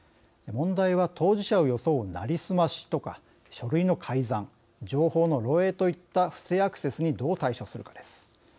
問題は当事者を装うなりすましとか書類の改ざん、情報の漏えいといった不正アクセスにどう対処するかです。